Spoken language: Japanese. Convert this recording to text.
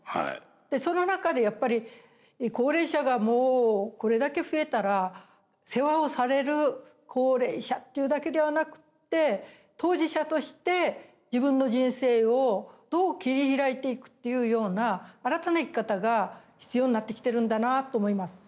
その中でやっぱり高齢者がもうこれだけ増えたら世話をされる高齢者というだけではなくって当事者として自分の人生をどう切り開いていくっていうような新たな生き方が必要になってきてるんだなと思います。